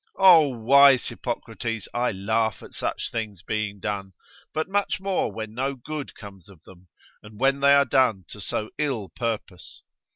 O wise Hippocrates, I laugh at such things being done, but much more when no good comes of them, and when they are done to so ill purpose.